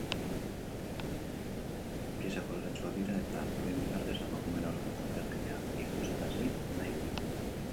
Pieza koloretsuak dira eta, horien bitartez, emakumeen aurkako indarkeria ikusarazi nahi dugu.